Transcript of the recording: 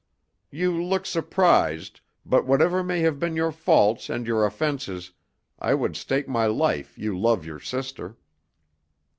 You look surprised but whatever may have been your faults and your offences, I would stake my life you love your sister."